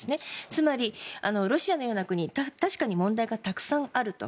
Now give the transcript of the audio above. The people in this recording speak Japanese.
つまり、ロシアのような国は確かに問題がたくさんあると。